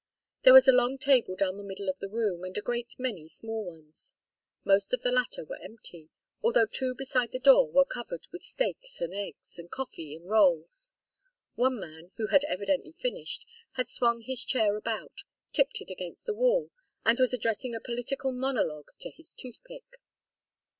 There was a long table down the middle of the room and a great many small ones. Most of the latter were empty, although two beside the door were covered with steaks and eggs and coffee and rolls. One man, who had evidently finished, had swung his chair about, tipped it against the wall, and was addressing a political monologue to his toothpick.